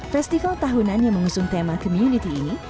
festival tahunan yang mengusung tema community ini